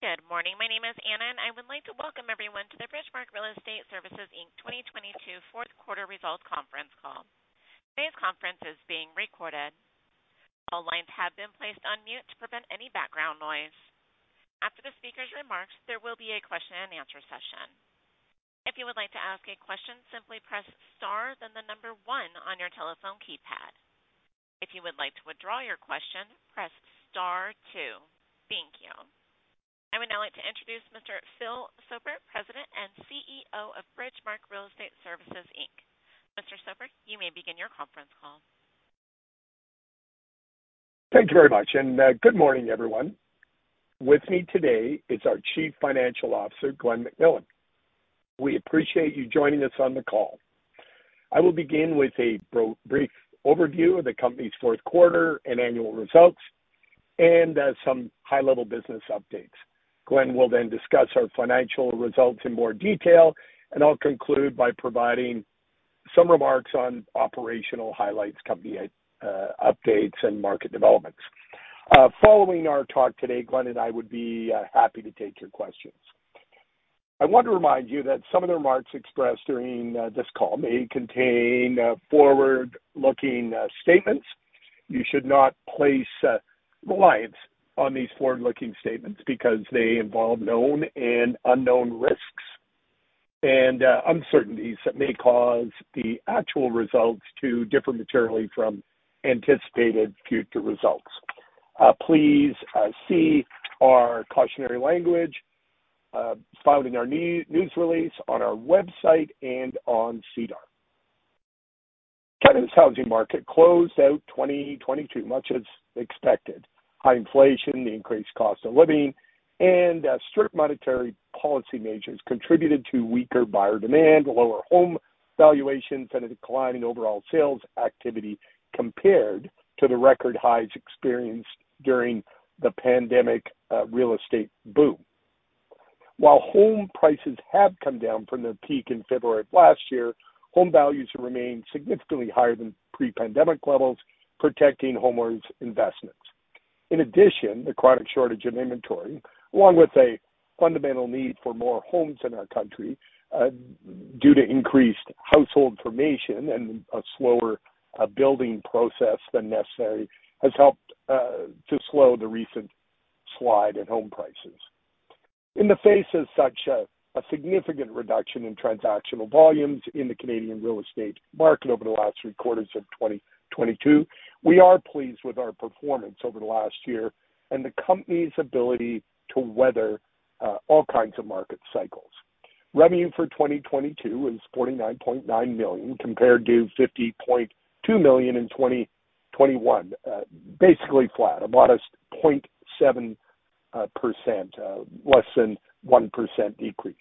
Good morning. My name is Anna, I would like to welcome everyone to the Bridgemarq Real Estate Services Inc. 2022 Fourth Quarter Results Conference Call. Today's conference is being recorded. All lines have been placed on mute to prevent any background noise. After the speaker's remarks, there will be a question-and-answer session. If you would like to ask a question, simply press star then the one on your telephone keypad. If you would like to withdraw your question, press star two. Thank you. I would now like to introduce Mr. Phil Soper, President and CEO of Bridgemarq Real Estate Services Inc. Mr. Soper, you may begin your conference call. Thank you very much. Good morning, everyone. With me today is our Chief Financial Officer, Glen McMillan. We appreciate you joining us on the call. I will begin with a brief overview of the company's fourth quarter and annual results, some high-level business updates. Glen will then discuss our financial results in more detail. I'll conclude by providing some remarks on operational highlights, company updates, and market developments. Following our talk today, Glen and I would be happy to take your questions. I want to remind you that some of the remarks expressed during this call may contain forward-looking statements. You should not place reliance on these forward-looking statements because they involve known and unknown risks and uncertainties that may cause the actual results to differ materially from anticipated future results. Please see our cautionary language filed in our news release on our website and on SEDAR. Canada's housing market closed out 2022 much as expected. High inflation, the increased cost of living, and strict monetary policy measures contributed to weaker buyer demand, lower home valuations, and a decline in overall sales activity compared to the record highs experienced during the pandemic real estate boom. While home prices have come down from their peak in February of last year, home values remain significantly higher than pre-pandemic levels, protecting homeowners' investments. In addition, the chronic shortage in inventory, along with a fundamental need for more homes in our country, due to increased household formation and a slower building process than necessary, has helped to slow the recent slide in home prices. In the face of such a significant reduction in transactional volumes in the Canadian real estate market over the last three quarters of 2022, we are pleased with our performance over the last year and the company's ability to weather all kinds of market cycles. Revenue for 2022 was 49.9 million, compared to 50.2 million in 2021. Basically flat, a modest 0.7%, less than 1% decrease.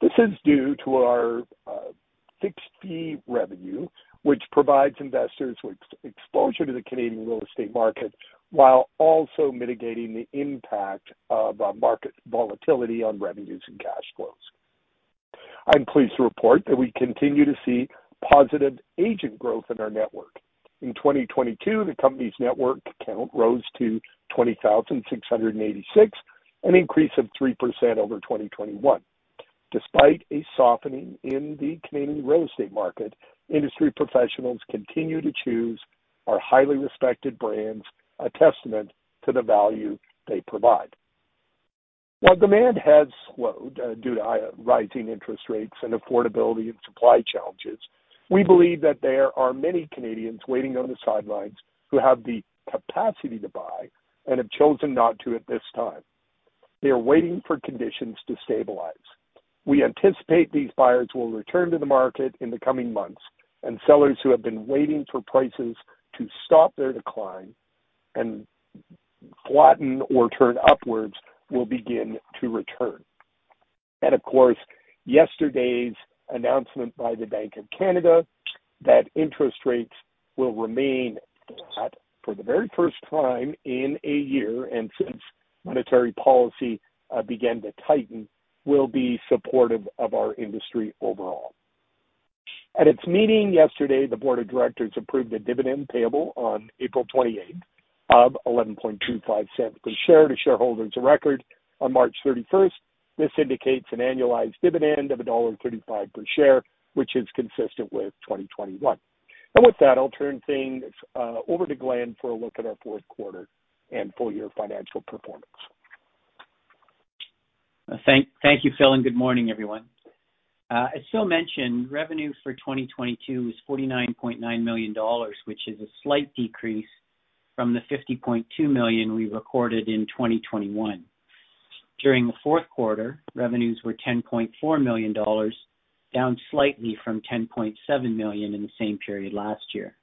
This is due to our fixed fee revenue, which provides investors with exposure to the Canadian real estate market while also mitigating the impact of market volatility on revenues and cash flows. I'm pleased to report that we continue to see positive agent growth in our network. In 2022, the company's network count rose to 20,686, an increase of 3% over 2021. Despite a softening in the Canadian real estate market, industry professionals continue to choose our highly respected brands, a testament to the value they provide. While demand has slowed, due to rising interest rates and affordability and supply challenges, we believe that there are many Canadians waiting on the sidelines who have the capacity to buy and have chosen not to at this time. They are waiting for conditions to stabilize. We anticipate these buyers will return to the market in the coming months, and sellers who have been waiting for prices to stop their decline and flatten or turn upwards will begin to return. Of course, yesterday's announcement by the Bank of Canada that interest rates will remain flat for the very first time in a year and since monetary policy began to tighten will be supportive of our industry overall. At its meeting yesterday, the Board of Directors approved a dividend payable on April 28th of 11.25 per share to shareholders of record on March 31st. This indicates an annualized dividend of 1.35 dollar per share, which is consistent with 2021. With that, I'll turn things over to Glen for a look at our fourth quarter and full-year financial performance. Thank you, Phil, and good morning, everyone. As Phil mentioned, revenue for 2022 was 49.9 million dollars, which is a slight decrease from the 50.2 million we recorded in 2021. During the fourth quarter, revenues were 10.4 million dollars, down slightly from 10.7 million in the same period last year.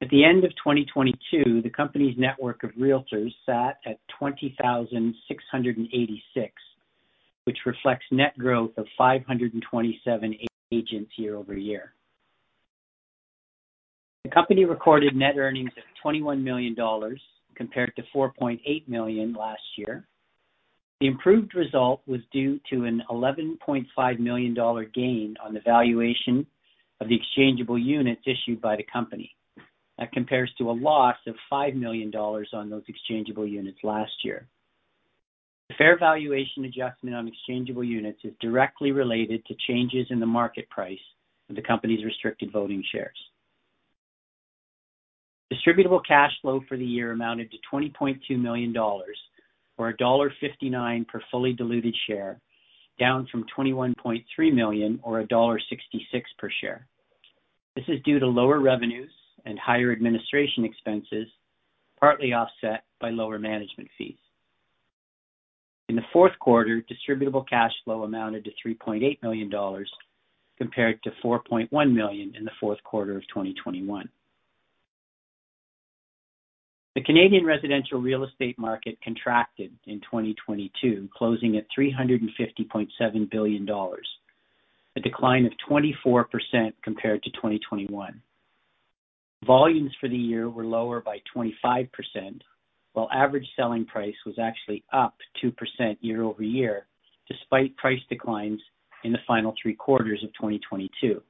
At the end of 2022, the company's network of realtors sat at 20,686, which reflects net growth of 527 agents year-over-year. The company recorded net earnings of 21 million dollars compared to 4.8 million last year. The improved result was due to a 11.5 million dollar gain on the valuation of the exchangeable units issued by the company. That compares to a loss of 5 million dollars on those exchangeable units last year. The fair valuation adjustment on exchangeable units is directly related to changes in the market price of the company's restricted voting shares. Distributable cash flow for the year amounted to 20.2 million dollars, or dollar 1.59 per fully diluted share, down from 21.3 million or dollar 1.66 per share. This is due to lower revenues and higher administration expenses, partly offset by lower management fees. In the fourth quarter, distributable cash flow amounted to 3.8 million dollars compared to 4.1 million in the fourth quarter of 2021. The Canadian residential real estate market contracted in 2022, closing at 350.7 billion dollars, a decline of 24% compared to 2021. Volumes for the year were lower by 25%, while average selling price was actually up 2% year-over-year despite price declines in the final three quarters of 2022.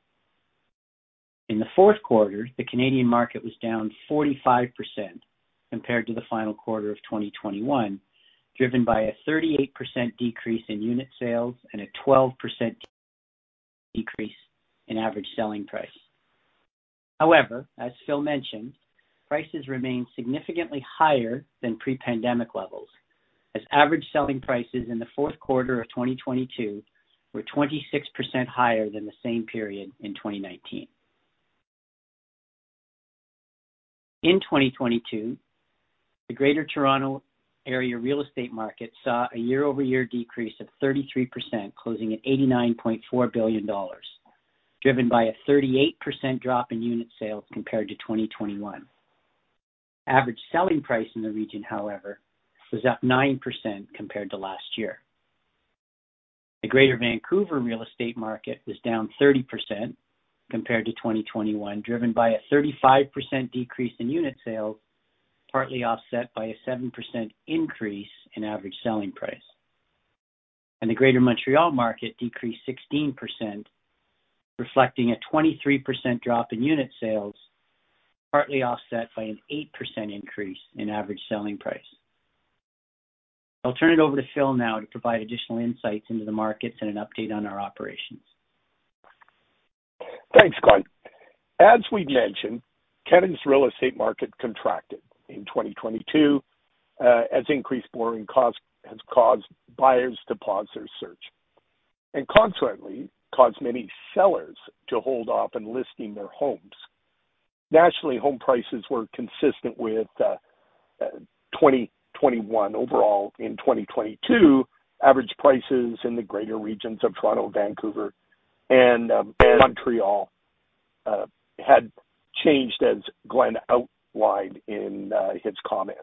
In the fourth quarter, the Canadian market was down 45% compared to the final quarter of 2021, driven by a 38% decrease in unit sales and a 12% decrease in average selling price. However, as Phil mentioned, prices remain significantly higher than pre-pandemic levels as average selling prices in the fourth quarter of 2022 were 26% higher than the same period in 2019. In 2022, the Greater Toronto Area real estate market saw a year-over-year decrease of 33%, closing at 89.4 billion dollars, driven by a 38% drop in unit sales compared to 2021. Average selling price in the region, however, was up 9% compared to last year. The Greater Vancouver real estate market was down 30% compared to 2021, driven by a 35% decrease in unit sales, partly offset by a 7% increase in average selling price. The Greater Montreal market decreased 16%, reflecting a 23% drop in unit sales, partly offset by an 8% increase in average selling price. I'll turn it over to Phil now to provide additional insights into the markets and an update on our operations. Thanks, Glen. As we mentioned, Canada's real estate market contracted in 2022, as increased borrowing costs has caused buyers to pause their search and consequently caused many sellers to hold off in listing their homes. Nationally, home prices were consistent with 2021 overall. In 2022, average prices in the greater regions of Toronto, Vancouver, and Montreal had changed, as Glen outlined in his comments.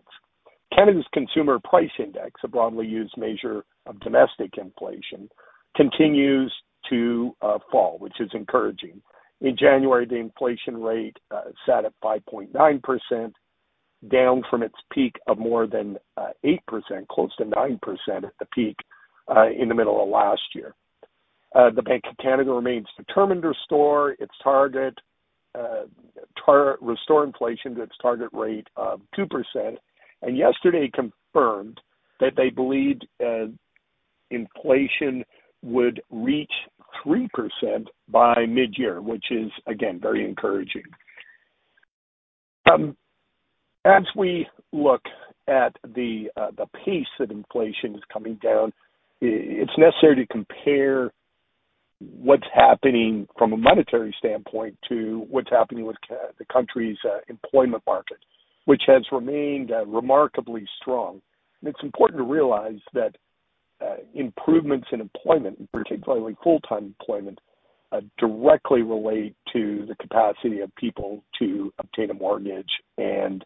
Canada's Consumer Price Index, a broadly used measure of domestic inflation, continues to fall, which is encouraging. In January, the inflation rate sat at 5.9%, down from its peak of more than 8%, close to 9% at the peak, in the middle of last year. The Bank of Canada remains determined to restore inflation to its target rate of 2%, and yesterday confirmed that they believed inflation would reach 3% by mid-year, which is, again, very encouraging. As we look at the pace that inflation is coming down, it's necessary to compare what's happening from a monetary standpoint to what's happening with the country's employment market, which has remained remarkably strong. It's important to realize that improvements in employment, in particularly full-time employment, directly relate to the capacity of people to obtain a mortgage and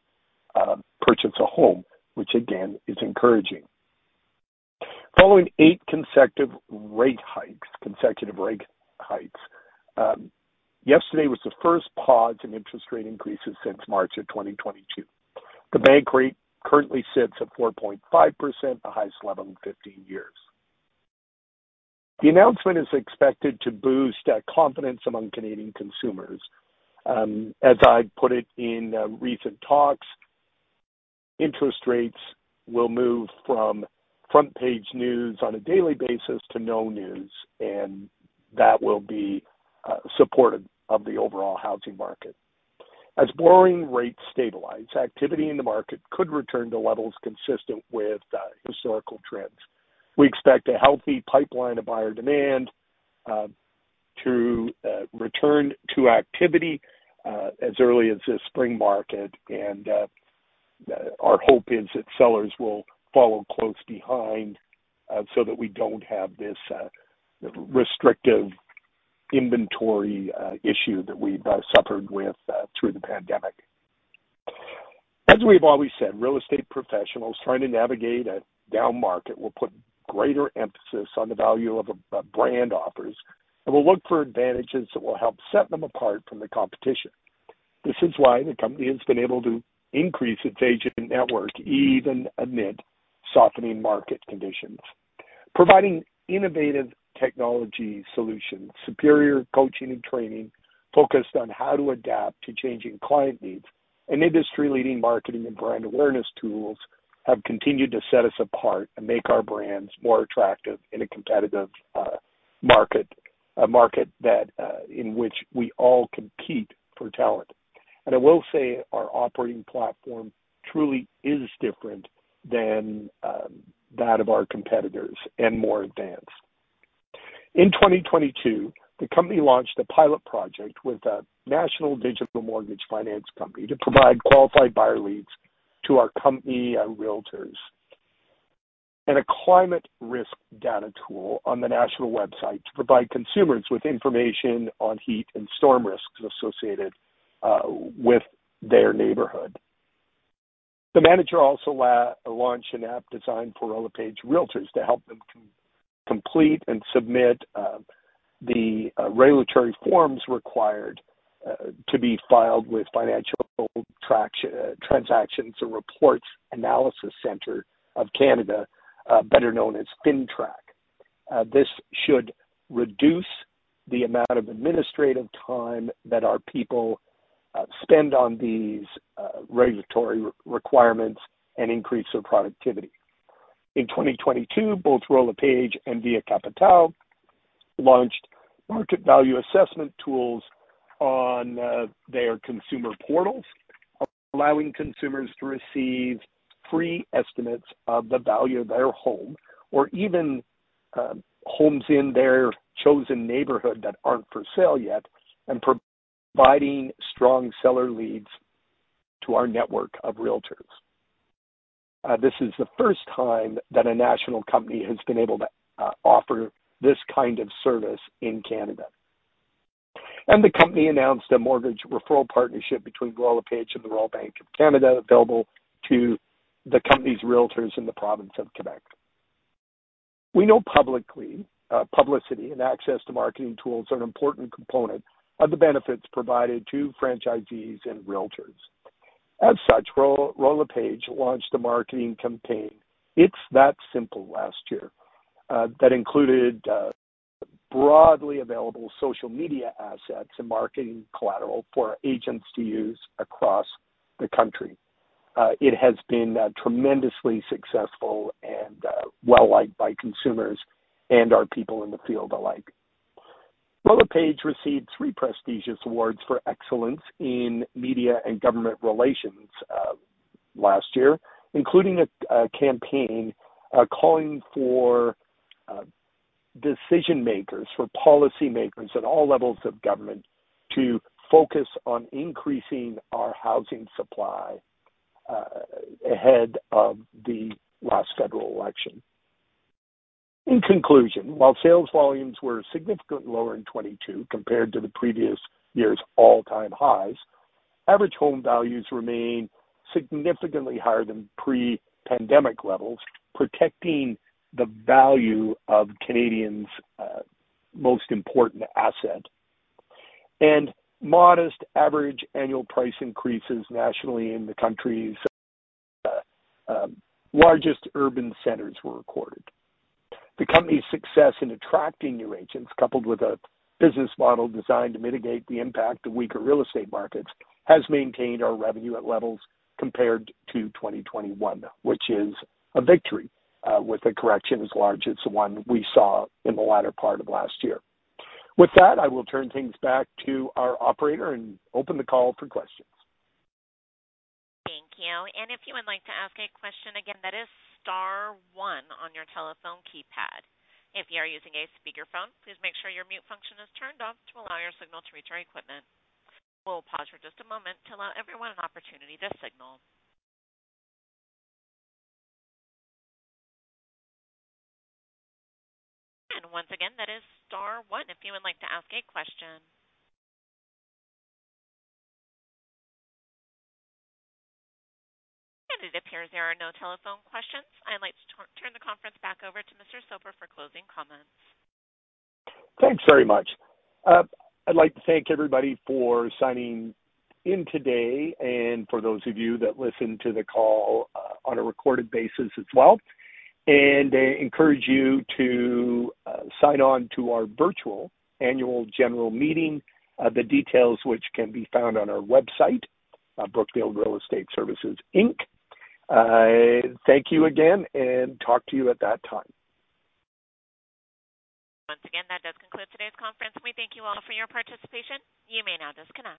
purchase a home, which again, is encouraging. Following eight consecutive rate hikes, yesterday was the first pause in interest rate increases since March of 2022. The Bank rate currently sits at 4.5%, the highest level in 15 years. The announcement is expected to boost confidence among Canadian consumers. As I put it in recent talks, interest rates will move from front page news on a daily basis to no news. That will be supportive of the overall housing market. As borrowing rates stabilize, activity in the market could return to levels consistent with historical trends. We expect a healthy pipeline of buyer demand to return to activity as early as the spring market. Our hope is that sellers will follow close behind so that we don't have this restrictive inventory issue that we've suffered with through the pandemic. As we've always said, real estate professionals trying to navigate a down market will put greater emphasis on the value a brand offers and will look for advantages that will help set them apart from the competition. This is why the company has been able to increase its agent network even amid softening market conditions. Providing innovative technology solutions, superior coaching and training focused on how to adapt to changing client needs, and industry-leading marketing and brand awareness tools have continued to set us apart and make our brands more attractive in a competitive market, a market that in which we all compete for talent. I will say our operating platform truly is different than that of our competitors and more advanced. In 2022, the company launched a pilot project with a national digital mortgage finance company to provide qualified buyer leads to our company realtors and a climate risk data tool on the national website to provide consumers with information on heat and storm risks associated with their neighborhood. The manager also launched an app designed for Royal LePage Realtors to help them complete and submit the regulatory forms required to be filed with Financial Transactions and Reports Analysis Centre of Canada, better known as FINTRAC. This should reduce the amount of administrative time that our people spend on these regulatory requirements and increase their productivity. In 2022, both Royal LePage and Via Capitale launched market value assessment tools on their consumer portals, allowing consumers to receive free estimates of the value of their home or even homes in their chosen neighborhood that aren't for sale yet and providing strong seller leads to our network of realtors. This is the first time that a national company has been able to offer this kind of service in Canada. The company announced a mortgage referral partnership between Royal LePage and the Royal Bank of Canada, available to the company's realtors in the province of Quebec. We know publicly publicity and access to marketing tools are an important component of the benefits provided to franchisees and realtors. Royal LePage launched a marketing campaign, It's that simple, last year that included broadly available social media assets and marketing collateral for agents to use across the country. It has been tremendously successful and well-liked by consumers and our people in the field alike. Royal LePage received three prestigious awards for excellence in media and government relations last year, including a campaign calling for decision-makers, for policymakers at all levels of government to focus on increasing our housing supply ahead of the last federal election. While sales volumes were significantly lower in 2022 compared to the previous year's all-time highs, average home values remain significantly higher than pre-pandemic levels, protecting the value of Canadians' most important asset. Modest average annual price increases nationally in the country's largest urban centers were recorded. The company's success in attracting new agents, coupled with a business model designed to mitigate the impact of weaker real estate markets, has maintained our revenue at levels compared to 2021, which is a victory with a correction as large as the one we saw in the latter part of last year. With that, I will turn things back to our operator and open the call for questions. Thank you. If you would like to ask a question, again, that is star one on your telephone keypad. If you are using a speakerphone, please make sure your mute function is turned off to allow your signal to reach our equipment. We'll pause for just a moment to allow everyone an opportunity to signal. Once again, that is star one if you would like to ask a question. It appears there are no telephone questions. I'd like to turn the conference back over to Mr. Soper for closing comments. Thanks very much. I'd like to thank everybody for signing in today and for those of you that listened to the call on a recorded basis as well, and encourage you to sign on to our virtual annual general meeting, the details which can be found on our website, Brookfield Real Estate Services Inc. Thank you again, and talk to you at that time. Once again, that does conclude today's conference. We thank you all for your participation. You may now disconnect.